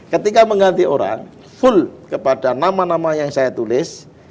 ketika mengganti orang full kepada nama nama yang saya tulis